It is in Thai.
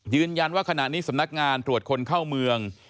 ยืนยันว่าขณะนี้สำนักงานตรวจคนเข้าเมือง